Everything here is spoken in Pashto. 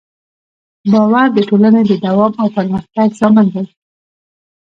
باور د ټولنې د دوام او پرمختګ ضامن دی.